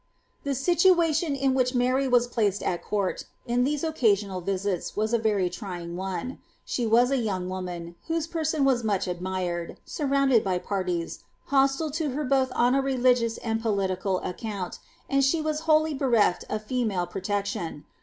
I*he situation in which Mary Wiis placed at court, on these occasional its, was a very trying one. She was a young woman, whose person m much admired, surrounded by parties, hostile to her both on a reli HiM and political account, and she was wholly bereft of female pro» tion.